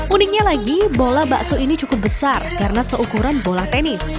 uniknya lagi bola bakso ini cukup besar karena seukuran bola tenis